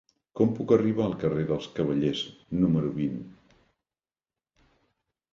Com puc arribar al carrer dels Cavallers número vint?